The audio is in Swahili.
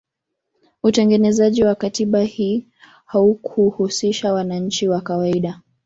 Utengenezaji wa katiba hii haukuhusisha wananchi wa kawaida